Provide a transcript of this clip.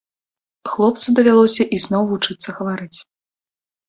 Хлопцу давялося ізноў вучыцца гаварыць.